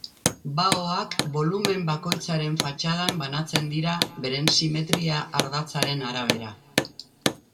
Baoak bolumen bakoitzaren fatxadan banatzen dira beren simetria-ardatzaren arabera.